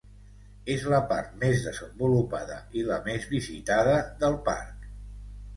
És la part més desenvolupada i la més visitada del parc.